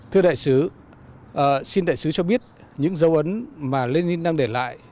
thưa đại sứ xin đại sứ cho biết những dấu ấn mà lenin đang để lại